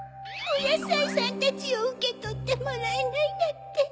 おやさいさんたちをうけとってもらえないなんて